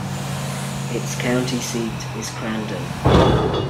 Its county seat is Crandon.